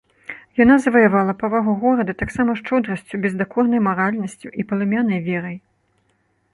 Яна заваявала павагу горада таксама шчодрасцю, бездакорнай маральнасцю і палымянай верай.